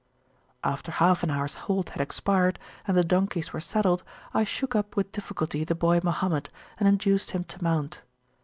After half an hours halt had expired, and the donkeys were saddled, I shook up with difficulty the boy Mohammed, and induced him to mount.